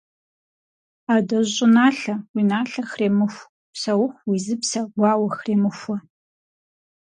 Адэжь щӀыналъэ, уи налъэ хремыху, Псэуху уи зыпсэ гуауэ хремыхуэ.